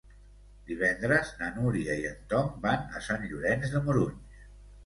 Divendres na Núria i en Tom van a Sant Llorenç de Morunys.